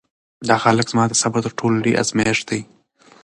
دغه هلک زما د صبر تر ټولو لوی ازمېښت دی.